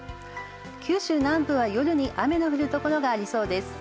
九州南部は夜に雨の降る所がありそうです。